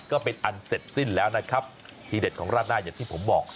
ก็เป็นอันเสร็จสิ้นแล้วนะครับทีเด็ดของราดหน้าอย่างที่ผมบอก